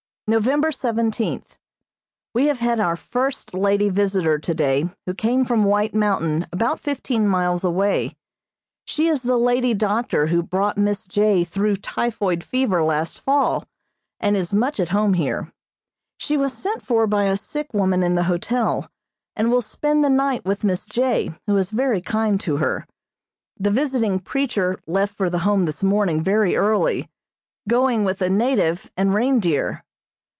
November seventeenth: We have had our first lady visitor today who came from White Mountain about fifteen miles away. She is the lady doctor who brought Miss J. through typhoid fever last fall, and is much at home here. She was sent for by a sick woman in the hotel, and will spend the night with Miss J., who is very kind to her. The visiting preacher left for the Home this morning very early, going with a native and reindeer.